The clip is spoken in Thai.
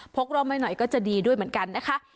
กร่มให้หน่อยก็จะดีด้วยเหมือนกันนะคะ